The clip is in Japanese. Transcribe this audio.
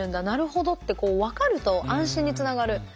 なるほどってこう分かると安心につながる。